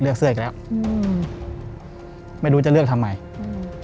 เสื้ออีกแล้วอืมไม่รู้จะเลือกทำไมอืม